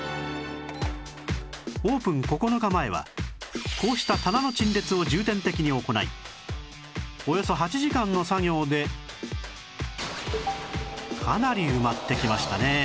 オープン９日前はこうした棚の陳列を重点的に行いおよそ８時間の作業でかなり埋まってきましたね